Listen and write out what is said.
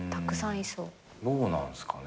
どうなんすかね。